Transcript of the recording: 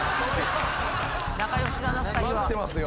待ってますよ。